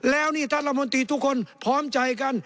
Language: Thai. แล้วนี่ท่านละมนตรีทุกคนพร้อมใจกัน